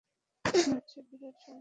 মনে হচ্ছে বিরাট সমস্যায় পড়েছি।